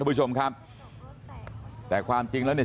ผู้ชมครับแต่ความจริงแล้วเนี่ย